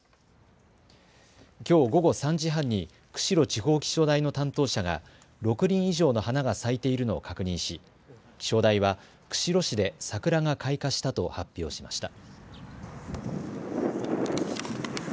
きょう午後３時半に釧路地方気象台の担当者が６輪以上の花が咲いているのを確認し気象台は釧路市で桜が開花したと発表しました。